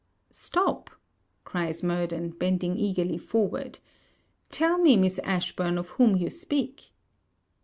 'Stop!' cries Murden, bending eagerly forward, 'tell me, Miss Ashburn, of whom you speak.'